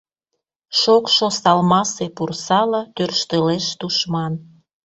Шокшо салмасе пурсала тӧрштылеш тушман!